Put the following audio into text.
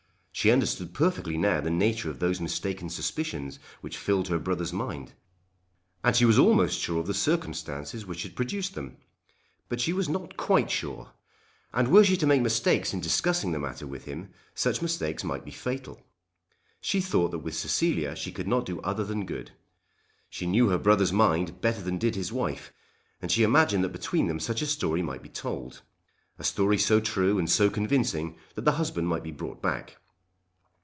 She understood perfectly now the nature of those mistaken suspicions which filled her brother's mind. And she was almost sure of the circumstances which had produced them. But she was not quite sure; and were she to make mistakes in discussing the matter with him, such mistakes might be fatal. She thought that with Cecilia she could not do other than good. She knew her brother's mind better than did his wife, and she imagined that between them such a story might be told, a story so true and so convincing that the husband might be brought back.